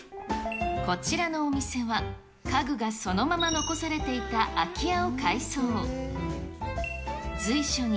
こちらのお店は、家具がそのまま残されていた空き家を改装。